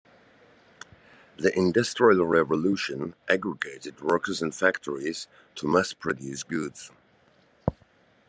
The industrial revolution aggregated workers in factories, to mass-produce goods.